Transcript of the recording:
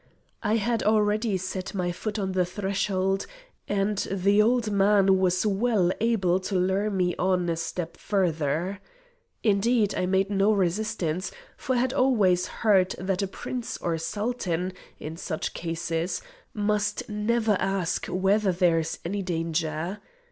I had already set my foot on the threshold, and the old man was well able to lure me on a step further. Indeed I made no resistance, for I had always heard that a prince or sultan, in such cases, must never ask whether there is any danger.